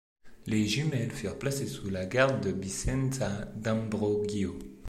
Les jumelles furent placées sous la garde de Vincenza D'Ambrogio.